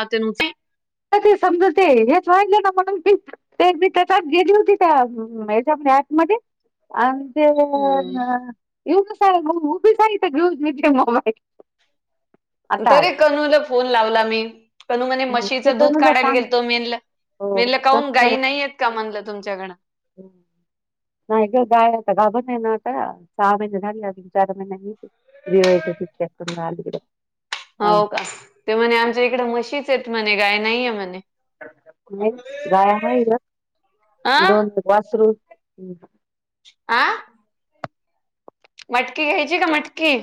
आ तुमची. ते समजते हेच, व्हालंय ना म्हणून. ते मी तेच्यात गेली होती का, त्या हेच्यात आत मध्ये. अज हम्म ना [unintelligible] येऊ दे साऱ्याला उभीच आहे, इथं घेऊन मी मोबाईल. कुठ आता रे आला कनूला फोन लावला मी, कनू म्हणे मशीत. ते दूध कनूला काढायला सांग गेल तो मी म्हणलं, हो मी म्हणलं काऊून कनूला गाई नाहीयेत का म्हणलं तुमच्याकडं. नाही गं गाय आता गाभण आहेना आता, सहा महिने झाली तीन चार महिनेनी येती. जेव्हायचं तितक्यात सोडून आली इकडं. हो का, ते म्हणे आमच्या इकडे म्हशीच येत म्हणे गाय नाहीये म्हणे. गाय हायना अ दोन वासरू [unintelligible] आं. मटकी घ्यायची का मटकी.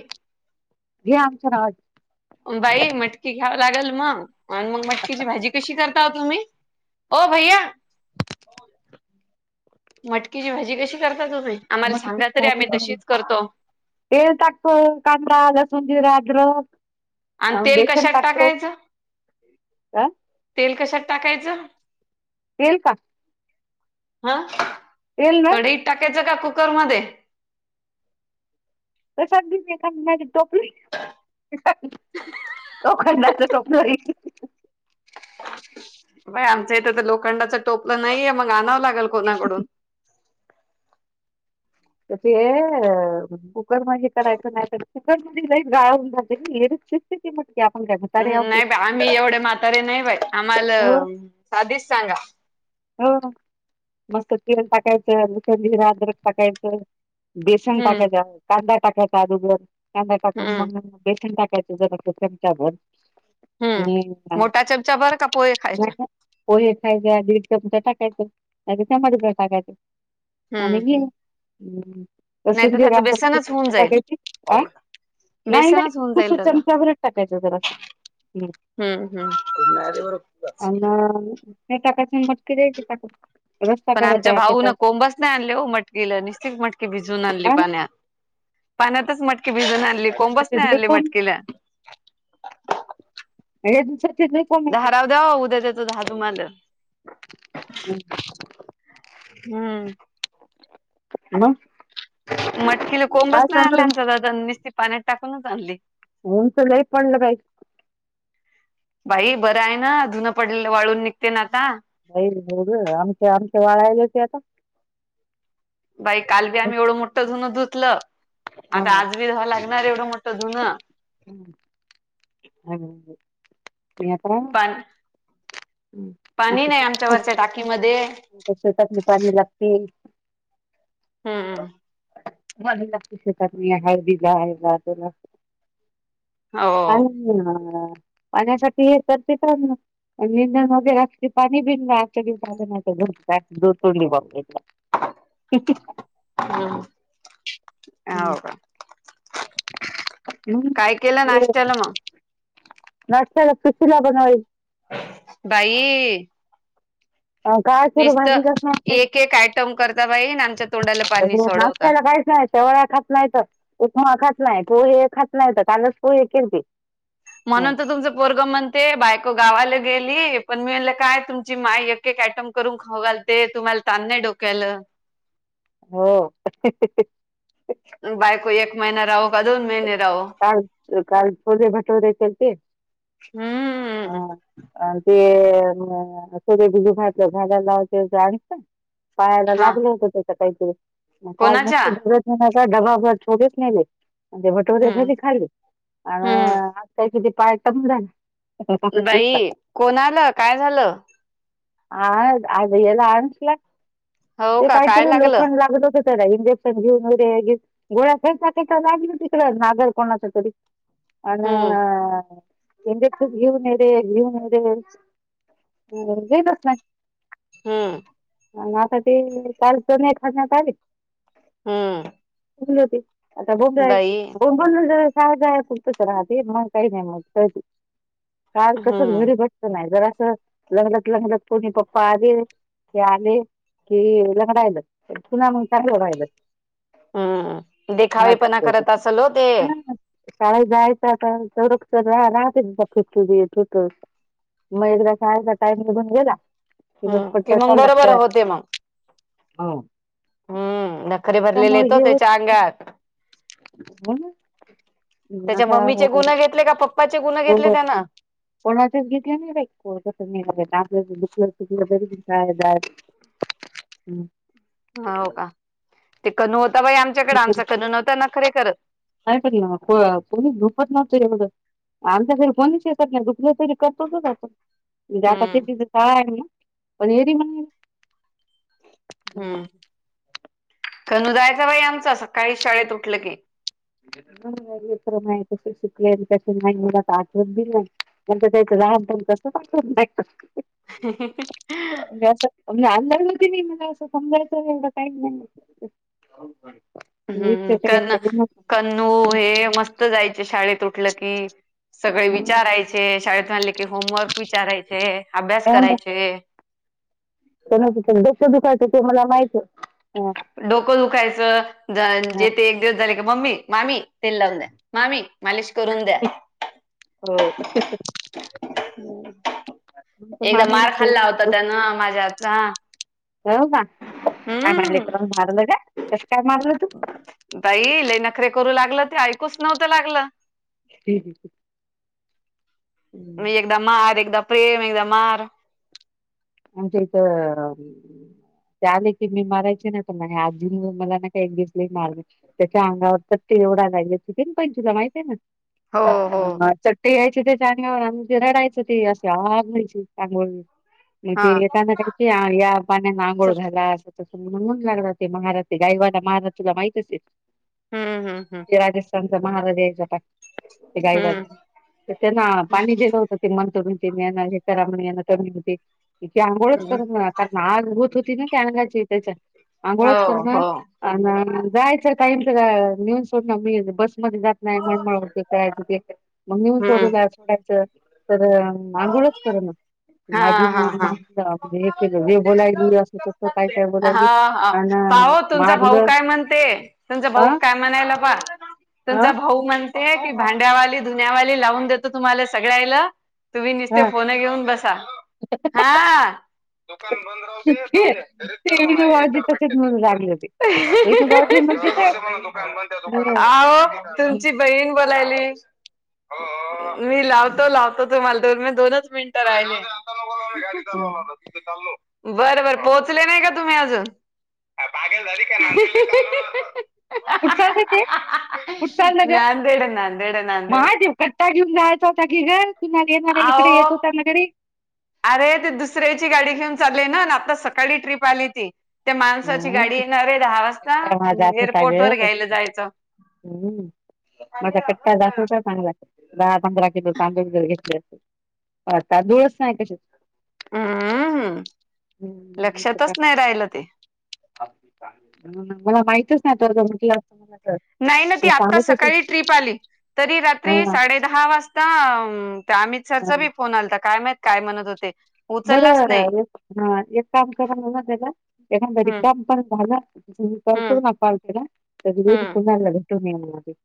घे आमच्या नावाचं. बाई मटकी घ्यावं लागेल मग, आणि मग मटकीची भाजी कशी करता ओ तुम्ही. ओ भैया मटकीची भाजी कशी करता, ओ तुम्ही आम्हांला मटकी सांगा तरी आम्ही भाजी तशीच करतो. तेल टाकतो कांदा लसूण जिरा अद्रक आणि अ, तेल बेसन कशात टाकतो टाकायचं. अ, तेल कशात टाकायचं. येईल का. हां. तेल ना कढईत टाकायच का, कुकरमध्ये. कशा दिली काय म्हणायचं, टोपली लोखंडाच. टॉपनर आहे ती. बा आमच्या इथं तर लोखंडाचं टोपलं नाहीये, मग आणावं लागेल कोणाकडून. तर ते कुकर मध्ये, करायचं नाही तर. कुकर मध्ये लैच गाळून [unintelligible] किती मटकी आपण [unintelligible] की नाही बाई आम्ही एवढे म्हातारे नाही बाई, आम्हाला हो साधीच सांगा. हो, मस्त तेल टाकायचं जीर आद्रक टाकायचं. बेसन हम्म टाकायचं जरा, कांदा टाकयचा अगोदर कांदा टाकून हम्म बेसन टाकायचं. [unintelligible] हम्म. आणि मोठा चमचा बरं का पोहे खायच्या [unintelligible] पोहे खायचे आधी चमचा टाकायचं. [unintelligible] हम्म आणि ये हम्म नाही तर त्याचं बेसनच होऊन जाईल. [unintelligible] नाही बेसनच नाही होऊन कुस जाईल त्याचं चमचाभर चं टाकायच जरा असं. हम्म हम् [unintelligible] आण्णा. नाही टाकायचं, मटकी द्यायची पाठवून. पण आमच्या भाऊन कोंबचं नाही आणले, हो मटकीला निश्ती मटकी भिजवून आणली हा पाण्यात. पाण्यातच मटकी भिजून आणली, या कोंबच दिवसाचे नाही लय आणली कोम मटकीला. हेच्या तिन्हीत. दहाराव द्याव उद्या, देताव दहा तुम्हाल. हम्म.. हम्म. हॅलो. मटकिले कोंबच नाही आणली, आमचा दादा निस्ती पाण्यात टाकूनच आणली. ऊन तर लय, पडलं बाई. बाई बरं आहे ना, धुनं पडलेलं वाळून निघते ना आता. नाही मु आमच्या आमच्या, वाळालय ते आता. बाई काल बी आम्ही एवढं मोठं धून धुतलं, हा आता आज बी धुवाय लागणार एवढं मोठ धुनं. हं.. [unintelligible] आकरा. [inaudible] पाणी आता नाही आमच्या शेतात वरच्या टाकीमध्ये. शेतातली पाणी लागते. हम्म.. मळणी लागते शेतात, हळदीला हेला तेला. हो. हा पाण्यासाठी हे तर ते, तर ना. [unintelligible] [inaudible] हम हं. हौ का. काय केलं नाश्त्याला मग? [unintelligible] बाई. काय सुरू तेच तर भाजीलाच नाही एक एक आयटम करता बाई, ना आमच्या तोंडाला पाणी सोडवता. बायका येत. शेवाळा खात नाहीत, उपमा खात नाही, पोहे खात नाहीत कालच पोहे केलते. हं. म्हणून तर तुमच पोरग म्हण ते बायको गावाला गेली. पण मी म्हणलं काय तुमची माय, एक एक आयटम करून खाऊ घालते. ते तुम्हाला तान नाही डोक्यालं. हो, हं हं हं हं. बायको एक महिना राहो, का दोन महिने राहो. काल काल छोले भटूरे केलते हम्म हा. अ ते [unintelligible] भागाला लावते आणि. पायाला हा लागलं होत तेच्या, काहीतरी कोणाच्या काज [unintelligible] डबा छोलेच नेले, ते भटोरे हम्म घरी खाले. आ.. हम्म आता काही किती पाय टमून राहिला. बाई कोणाला, काय झालं. आ आज याला अनंश ला, हो ते का कायत काय नाही लागलं लोखंड लागत असेल. इंजेक्शन घेऊन वगैरे घेऊ, गोळ्या खेळता खेळता लागल तिकड गर कोणाच तरी. आण. हम्म इंजेक्शन घेऊन ये रे घेऊन ये रे घेतस नाही. [unintelligible] हम्म. आणि आता ती काल दो नाही खण्यात आली. [unintelligible] हम्म. बाई [unintelligible] [unintelligible] राह ते मग काही नाही मग जाती. काल कसच हम्म घरी बटत नाही, जरास असं लंगलत लंगलत कोणी पप्पा आले. ते आले कि लगडायल, [unintelligible] हम्म. देखावेपणा करत असल हो ते. शाळे जायच आता संरक्षण रा राहते, [unintelligible] मग एकदा शाळेचा टाइम निघून गेला, हम्म कि मग बरोबर होते मग [unintelligible] हांव. हम्म. नखरे भरलेले ओ, होत त्याच्या अंगात. म्हणून त्याच्या आता मम्मीचे गुनहे हो घेतले का, पप्पाचे गुनहे घेतले त्यांन. कोणाच्याच घेतल्या नाही बाई, कोण कसं नाही आपलं दुखलं खुपल तरी. [inaudible] हम्म. हो का, ते कनू होता बाई आमच्याकडं आमचा कनू नव्हता नखरे करत. नाही पण ना पोलीस [unintelligible] आमच्या तरी कोणी शेतात नाही, दुखल तरी करतोच अस. जाता त हम्म तर शाळा आहे ना, पण येती म्हणली ना. तनू जायचा बाई, आमचा सकाळी शाळेत उठलं की. खरं [unintelligible] आठवण बी नाही. [unintelligible] म्हणजे अंधारवती नाही, मला असं समजायचं एवढं काही नाही. हम्म कन [unintelligible] कन्नू हे मस्त जायचे शाळेत उठलं की, सगळे हं. विचाराय चे शाळेत झाले की होमवर्क विचारायचे, अभ्यास त्यामुळं करायचे. डोकं दुखायचं ते मला माहित. डोकं दुखायचं जे ते एक दिवस झाले, की मम्मी मामी ते लावून द्या. मामी मालिश करून द्या. हो नंतर एकदा मामी मार खाल्ला होता त्यानं माझ्या हातचा. हो का काय माया लेकराला मारलं का कस काय मारलं तू बाई लय नखरे करू लागलं ते ऐकूच नव्हतं लागलं [inaudible] मग एकदा मार, एकदा प्रेम एकदा मार. आमच्या इथ आले की मी मारायचे ना त आजून मला ना काही एक दिवसला मार त्याच्या अंगावर तर तेवढा घयला त पण तुला माहित आहे हो हो ना ते यायचे ते चांगवरजे रडायचं ते अशी आग घायची चांग मग ते हा येताना काय या पाण्यानं आघोळ चल घाला. असं तस नून लागला ते महाराजे गायवाला महाराज तुला माहितच हम्म हम् हम्. राजस्थान महाराज गाई हम्म त्यांना पाणी दिलं होत तेिमन तोडूनना हे करा म्हना कमी होते इची आंघोळच हम्म करत आग होत होती ना की अंगाची त्याच्या, आंघोळच हो करणा. हो अ जायचं काहीच नेऊन सोड ना, मी बसमध्ये जात नाही म्हण म [inaudible] मम्मीहून सोडू हम्म द्या सोडायचं तर आंघोळच कर ना हा हा म्हण हा बापरे! जे बोलायली असं तसं काय काय हा बोलायली हा हान पाहो तुमचा मारग भाऊ काय म्हणते तुमचा भाऊ काय म्हणायला पा अ तुमचा भाऊ म्हण ते की भांड्यावाली, धुन्यावाली लावून देतो तुम्हाला सगळ्यायला तुम्ही नुसते ह फोन घेऊन बसा हा बंद राहू दे जाऊ दे घरीच ते वाजे तसेच म्हणून लागले होते विनू भाऊजी म्हणते काय आओ तु ची कुठ बहीण बोलायली मी लावतो, लावतो तुम्हाला दोन मी दोनच मिनटं राहिली हा बर, बर पोहोचले नाही का तुम्ही अजून [inaudible] कुठे चालते ते कुठे चालल्या ना त्या आता. नांदेड नांदेड नांदेड मायदेव पट्टा घेऊन जायचा होता की घर कु येणार इकडे येत आहो होता ना घरी अरे ते दुसऱ्याची गाडी घेऊन चालले ना आता सकाळी ट्रीप आली ती त्या माणसाची हं, गाडी येणारे दहा वाजता कट्टा माझा जात होता एअरपोर्ट ग वर घ्यायला जायचं हम्म माझा कट्टा जाखून का चांगला दहा पंधरा किलो तांदूळ वर घेतले, असते तांदूळच नाही कसे. हम्म हम् हं, नाही तर काय. लक्षातच नाही राहिलं ते मला माहितच नाही आता ज म्हटलं असतं मला नाही ना ती तू आत्ता सांगत होते सकाळी ट्रीप आली तरी रात्री हा साडे दहा वाजता त्या अमित सरचा बी फोन आलता काय महित काय म्हणत होते बरं उचललाच नाही ह एक काम करा ना त्याचा एखाद र हम्म काम पण झाला तु् हम्म पाळतो ना पाळतो ना तर हम्म कुंडला भेटून न म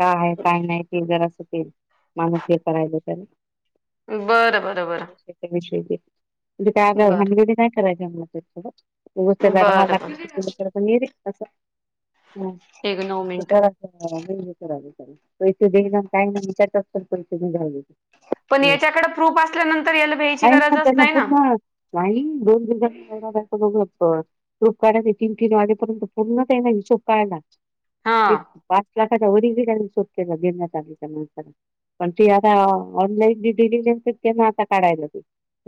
का आहे काय नाही ते जर असं तेल माणूस हे करायला तर बरं, बरं, बरं षयी म्हणजे कायला हानगडी नाही करायचीला थं ज बरं राहा बरं बरं लागें ह एक नऊ मिनिटं इथ दे काही ना हम्म. विचारत [unintelligible] झाली पण याच्याकडे प्रूफ असल्यानंतर याला भ्यायची आहे ना गरजच नाही ना पूर्ण नाही दोन दिनी बघ शोप काढ नाही तीन, तीन वाजेपर्यंत पूर्ण काही नाही हिशोब काढला हा ते पाच लाखाच्या वर त्यांनी सुट केला गेण्यात आल्याच्या नंतर पण ती आता ऑनलाईन जी दिलेली असते त्यांना आता काढायला.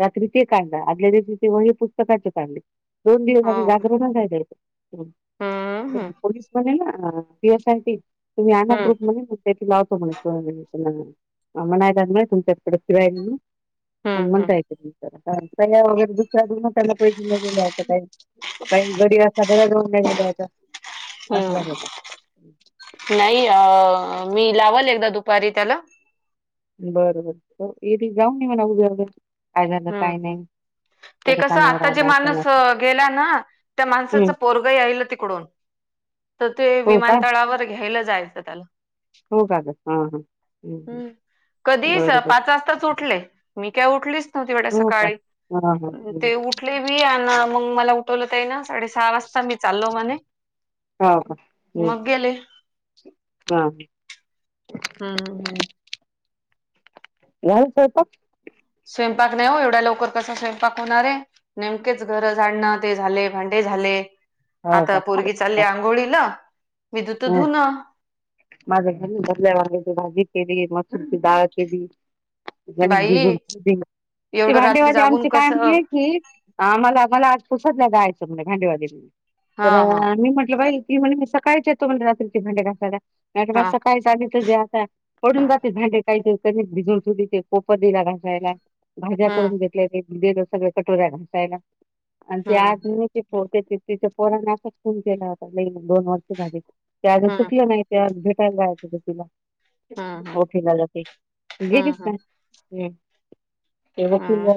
रात्री ते काढलं आदल्या दिवशी ते वही पुस्तकाचे काढले दोन दिवस अगं हो का जागरणच आहे. [inaudible] हम्म हम्म [unintelligible] ना पीहू साठी तुम्ही आणा हम्म प्रूप म्हणे ना. तेथील लावतो म्हणे [unintelligible] म्हणायला मी तुमच्याकडे फिरायली. मग हम्म हम्म म्हणता येते ती [unintelligible] न गेल्या असं काही कारण गडी [unintelligible] ह्याचा. हम्म नाही अ मी लावल एकदा दुपारी त्याला. बरोबर येथे जाऊ न मणा उद्या उद्या. तिजा हम्म काय हम्म नाय. ते कसं आता जे माणूस गेला ना त्या हम्म माणसाचं पोरगही आल तिकडून तर ते हो का विमानतळावर घ्यायला जायचं त्याला. हो का गं हा हा [inaudible] बरोबर. आच उठले मी काय उठलीच नव्हती वेढ्या हो का सकाळी हा हा हो ते उठ कुठली बी आणि मग मला उठवलते ना. साडे सहा वाजता मी चाललो म्हणे का हम्म मग गेले. [unintelligible] हम्म हम्म. यायचं होता. स्वयंपाक नाही हो एवढा लवकर कसा स्वयंपाक होणार आहे. नेमकेच घर झाडनं, ते झाले भांडे झाले. हो आता पोरगी चालली का आंघोळीला, मी धुतो धुणं. माझ्या घरी भरल्या वांगाची भाजी केली, मसूरची डाळ केली. [unintelligible] बाई ते एवढं भांडेव रात्री आणि जागून आमची काय कसं नाही की आम्हाला मला आज पुसातल्या जायचं म्हण भांडीवालीले हा तर हा मी म्हंटलं बाई ती म्हणे मी सकाळच येतो म्हण रात्रीची भांड्या घासायला मी म्हटलं मला हा सकाळ सांगच जे आता पडून जाते भांडे कायचे तरी भिजून सुध ते कोपा दिला घासायला. भाज्या हम्म करून घेतल्या ते दिलं सगळ कटोर्या घासायला. आणि हम्म ते [unintelligible] तिच्या पोरांने असाच फोन केला होता लई म दोन वर्ष झाली. ते अजून हम्म सुटलं नाही ते भेटायला जायचं तर तिला. हम्म ओके [unintelligible] गेलीच नाय हम्म. ते हम्म वकीलला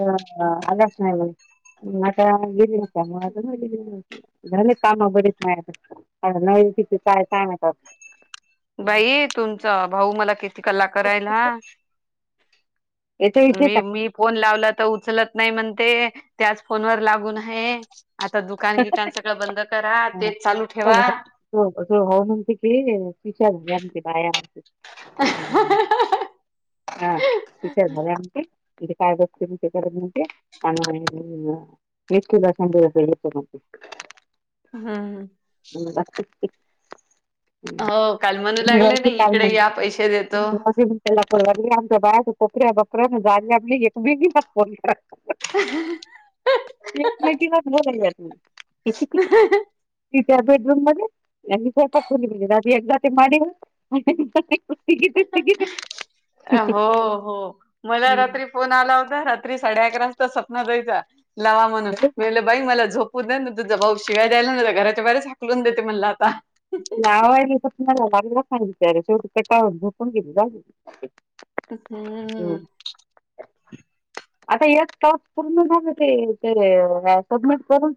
आगाश आहे म्हणे. [unintelligible] झालं काम बरीच नाही नवी तिथती काय काय माहित आता. भाई तुमचा भाऊ मला किती कल्ला करायला. येथे इथे मी का मी फोन लावला तर उचलत नाही म्हणते त्याच फोन वर लागून आहे. आता दुकान गिकान सगळं बंद करा तेच चालू ठेवा. [unintelligible] तो होऊ म्हणते की विचार. [unintelligible] ह ह तच आहे तिथं झाले आमचे. म्हणजे काय बते म ते करत म्हणते आणिला. [unintelligible] [unintelligible] हम्म हम्म. हम्म भात करती. हो काल [unintelligible] म्हणू लागले नाही त्याला इकडे या पैसे देतो [unintelligible] आमच्या बाय कोपऱ्या गपऱ्या जायल लागली एकमेकिला फोन करा. ह एकमेकीला [unintelligible] किती कित तिच्या बेडरूम मध्ये [unintelligible] तिघीतच हो, हो मला रात्री फोन आला होता रात्री साडे अकरा वाजता सपना ताईचा लावा म्हणून मी म्हटले बाई मला झोपू देत ना तुझं भाऊ शिवाय देयायला ना तर घराच्या बाहेरच हकलून देते म्हणला आता. लावायली तर तुम्हाला गारी लाखाचर शेवटी कटाळून झोपून घेतलं हम्म हम्. आता यक टॉस पूर्ण झाले ते, ते सबमिट करून